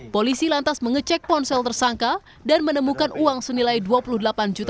polisi lantas mengecek ponsel tersangka dan menemukan uang senilai rp dua puluh delapan juta habis karena tersangka kalah main judi